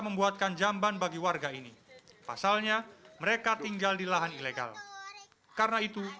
membuatkan jamban bagi warga ini pasalnya mereka tinggal di lahan ilegal karena itu